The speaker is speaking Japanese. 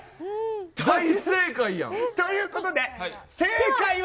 大正解やん。ということで正解は。